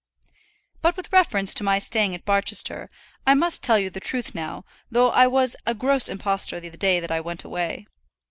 But with reference to my staying at Barchester, I must tell you the truth now, though I was a gross impostor the day that I went away.